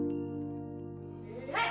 ・はい。